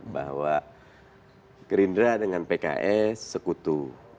bahwa gerindra dengan pks sekutu